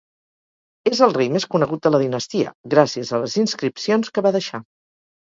És el rei més conegut de la dinastia, gràcies a les inscripcions que va deixar.